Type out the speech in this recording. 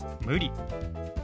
「無理」。